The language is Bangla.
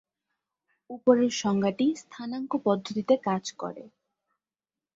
উপরের সংজ্ঞাটি স্থানাঙ্ক পদ্ধতিতে কাজ করে।